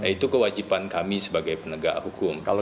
itu kewajiban kami sebagai penegak hukum